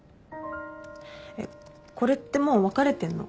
えっこれってもう別れてんの？